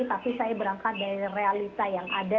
tapi saya berangkat dari realita yang ada